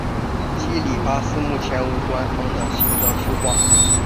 基里巴斯目前无官方的行政区划。